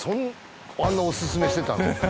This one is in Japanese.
あんなおすすめしてたのに？